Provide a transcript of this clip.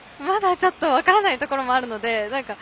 まだ、ちょっと分からないところもあるので。